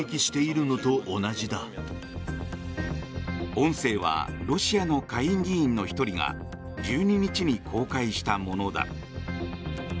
音声はロシアの下院議員の１人が１２日に公開したものだ。